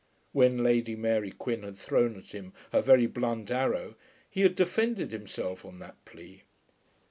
When Lady Mary Quin had thrown at him her very blunt arrow he had defended himself on that plea.